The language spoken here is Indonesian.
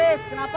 ya tis kenapa